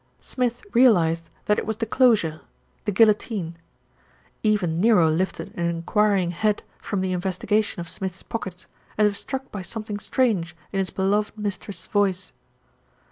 Smith realised that it was the closure, the guillotine. Even Nero lifted an enquiring head from the investi gation of Smith's pockets, as if struck by something strange in his beloved mistress' voice.